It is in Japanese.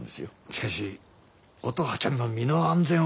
しかし乙葉ちゃんの身の安全を考えますと。